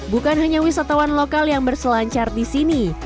bukan hanya wisatawan lokal yang berselancar di sini